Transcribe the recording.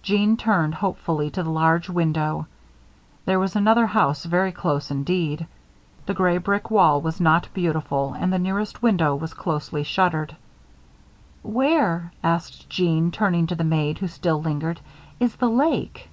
Jeanne turned hopefully to the large window. There was another house very close indeed. The gray brick wall was not beautiful and the nearest window was closely shuttered. "Where," asked Jeanne, turning to the maid, who still lingered, "is the lake?"